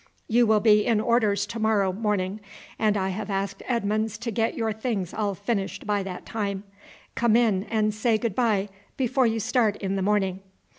You will be in orders to morrow morning, and I have asked Edmonds to get your things all finished by that time. Come in and say good bye before you start in the morning."